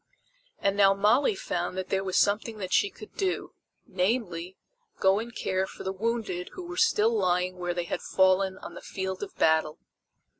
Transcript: And now Molly found that there was something that she could do namely, go and care for the wounded who were still lying where they had fallen on the field of battle.